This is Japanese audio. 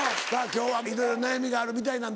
今日はいろいろ悩みがあるみたいなんで。